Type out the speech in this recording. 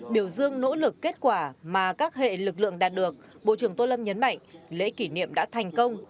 biểu dương nỗ lực kết quả mà các hệ lực lượng đạt được bộ trưởng tô lâm nhấn mạnh lễ kỷ niệm đã thành công